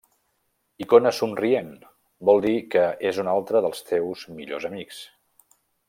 Icona somrient: vol dir que és un altre dels teus millors amics.